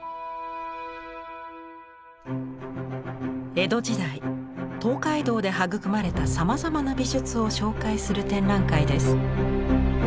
江戸時代東海道で育まれたさまざまな美術を紹介する展覧会です。